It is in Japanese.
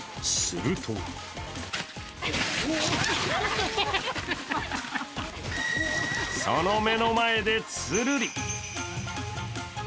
するとその目の前で、ツルリ。